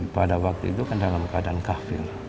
pada waktu itu kan dalam keadaan kafir